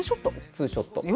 ツーショット。